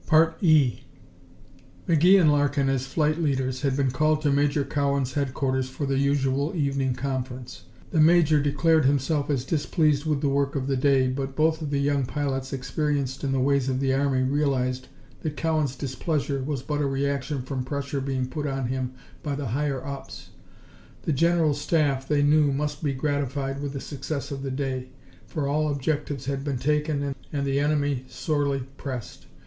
5 McGee and Larkin, as flight leaders, had been called to Major Cowan's headquarters for the usual evening conference. The Major declared himself as displeased with the work of the day, but both of the young pilots, experienced in the ways of the army, realized that Cowan's displeasure was but a reaction from pressure being put on him by the "higher ups." The General Staff, they knew, must be gratified with the success of the day, for all objectives had been taken and the enemy sorely pressed.